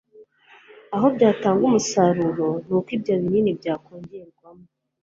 aho byatanga umusaruro ni uko ibyo binini byakongerwamo